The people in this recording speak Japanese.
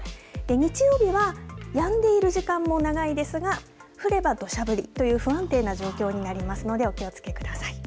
日曜日はやんでいる時間も長いですが降れば土砂降り、という不安定な状況になりますのでお気をつけください。